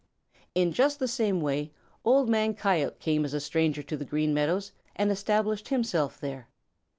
In just the same way Old Man Coyote came as a stranger to the Green Meadows and established himself there.